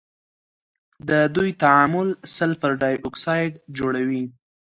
د دوی تعامل سلفر ډای اکسايډ جوړوي.